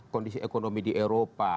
kondisi ekonomi di eropa